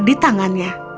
dia mencoba mengambilnya